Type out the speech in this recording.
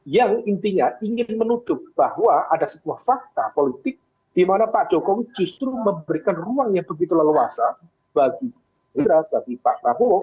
yang intinya ingin menuduh bahwa ada sebuah fakta politik di mana pak jokowi justru memberikan ruang yang begitu leluasa bagi indra bagi pak prabowo